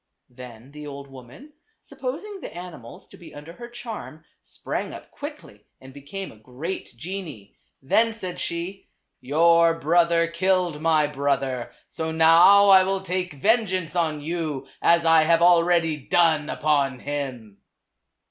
Then the old woman, supposing the animals to be under her charm, sprang up quickly and became a great genie. Then said she "Your brother killed my brother, so now I will take vengeance on you, as I have already done upon him."